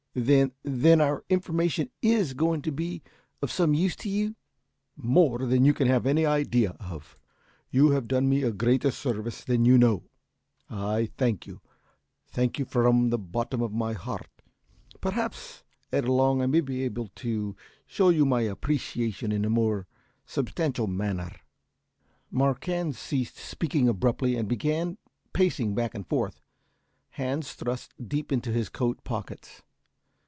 "Then then our information is going to be of some use to you?" "More than you can have any idea of. You have done me a greater service than you know. I thank you thank you from the bottom of my heart! Perhaps, ere long I may be able to show my appreciation in a more substantial manner." Marquand ceased speaking abruptly and began pacing back and forth, hands thrust deep into his coat pockets.